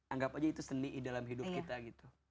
anggap aja itu seni dalam hidup kita gitu